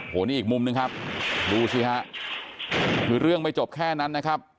โอ้โหนี่อีกมุมหนึ่งครับดูสิฮะคือเรื่องไม่จบแค่นั้นนะครับ